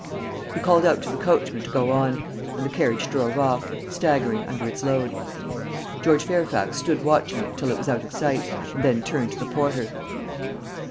He called out to the coachman to go on; and the carriage drove off, staggering under its load. George Fairfax stood watching it till it was out of sight, and then turned to the porter.